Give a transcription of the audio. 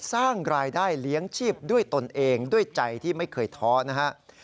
สร้างรายได้เลี้ยงชีพด้วยตนเองด้วยใจที่ไม่เคยท้อนะครับ